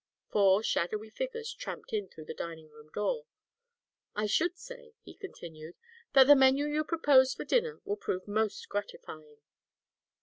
Four shadowy figures tramped in through the dining room door. "I should say," he continued, "that the menu you propose for dinner will prove most gratifying."